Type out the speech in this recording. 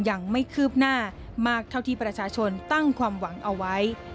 ยังไม่คืบหน้ามากเท่าที่ประชาชนตั้งความหวังเอาไว้